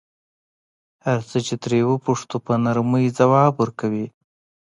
هر څه چې ترې وپوښتو په نرمۍ ځواب ورکوي.